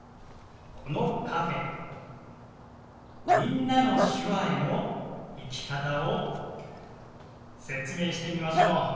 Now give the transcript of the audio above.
このカフェ「みんなの手話」への行き方を説明してみましょう。